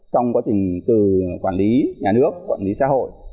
trong quá trình từ quản lý nhà nước quản lý xã hội